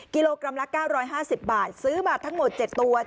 กิโลกรัมละ๙๕๐บาทซื้อมาทั้งหมด๗ตัว